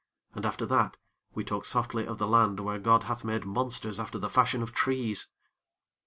And, after that, we talk softly of the land where God hath made monsters after the fashion of trees.